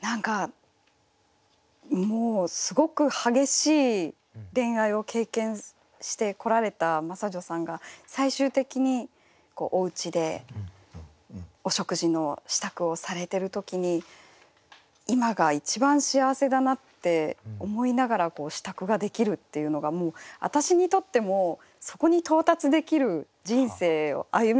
何かもうすごく激しい恋愛を経験してこられた真砂女さんが最終的におうちでお食事の支度をされてる時に今が一番幸せだなって思いながら支度ができるっていうのが私にとってもそこに到達できる人生を歩みたいなって思うぐらい。